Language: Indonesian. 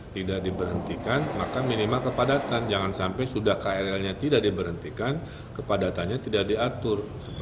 tidak diberhentikan maka minimal kepadatan jangan sampai sudah krlnya tidak diberhentikan kepadatannya tidak diatur